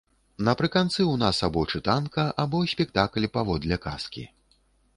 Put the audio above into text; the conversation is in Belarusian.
Напрыканцы ў нас або чытанка, або спектакль паводле казкі.